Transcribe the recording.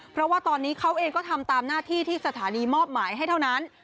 เพราะว่าตอนนี้เขาเองก็ทำตามหน้าที่ที่สถานีมอบหมายให้เท่านั้น